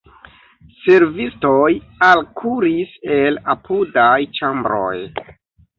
Servistoj alkuris el apudaj ĉambroj.